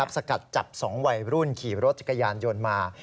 สกัดจับ๒วัยรุ่นขี่รถจักรยานยนต์มา